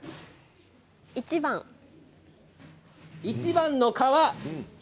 １番の皮。